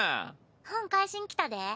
本返しに来たで。